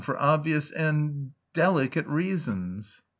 for obvious and... delicate reasons."